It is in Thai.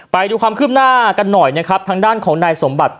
ไปดูความคืบหน้ากันหน่อยนะครับทางด้านของนายสมบัติ